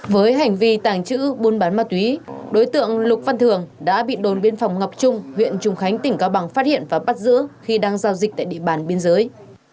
với hành vi tàng trữ buôn bán ma túy đối tượng lục văn thường đã bị đồn biên phòng ngọc trung huyện trùng khánh tỉnh cao bằng phát hiện và bắt giữ khi đang giao dịch tại địa bàn biên giới